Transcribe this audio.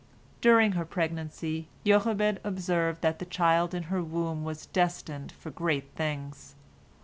" During her pregnancy, Jochebed observed that the child in her womb was destined for great things.